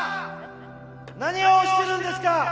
何をしてるんですか！